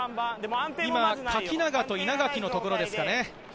垣永と稲垣のところですかね。